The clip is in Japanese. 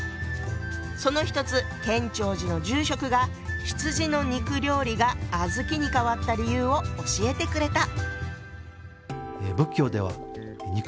その一つ建長寺の住職が羊の肉料理が小豆に変わった理由を教えてくれた。